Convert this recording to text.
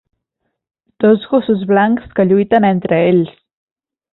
Dos gossos blancs que lluiten entre ells.